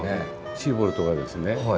シーボルトがですね